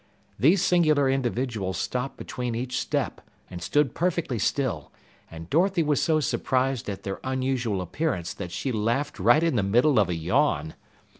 These singular individuals stopped between each step and stood perfectly still, and Dorothy was so surprised at their unusual appearance that she laughed right in the middle of a yawn.